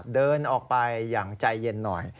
เดินออกไปอย่างใจเย็นหน่อย